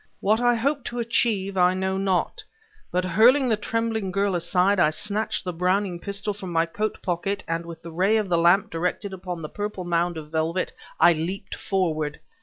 What I hoped to achieve, I know not, but hurling the trembling girl aside, I snatched the Browning pistol from my coat pocket, and with the ray of the lamp directed upon the purple mound of velvet, I leaped forward.